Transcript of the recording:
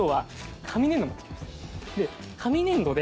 で紙粘土で。